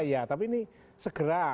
ya tapi ini segera